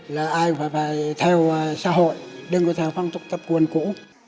là ai cũng phải theo xã hội đừng có thể phong tục tập quân cũ